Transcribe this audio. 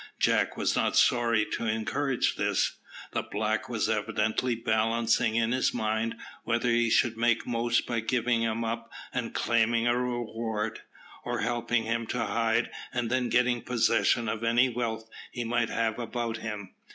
Jack was not sorry to encourage this. The black was evidently balancing in his mind whether he should make most by giving him up and claiming a reward, or helping him to hide, and then getting possession of any wealth he might have about him.